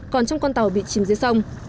còn trong con tàu bị chìm dưới sông